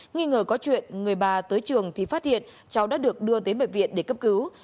nghi ngờ có chuyện người bà tới trường thì phát hiện cháu đã được đưa tới bệnh viện để cấp cứu